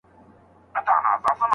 پښتو متلونه